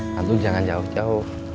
nantu jangan jauh jauh